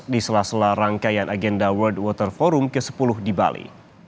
di sela sela rangkaian agenda world water forum ke sepuluh di bali